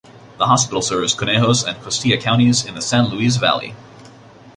The hospital serves Conejos and Costilla counties in the San Luis Valley.